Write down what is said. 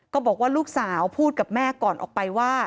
ก็บอกว่าลูกสาวพูดกับแม่ก่อนออกไปว่า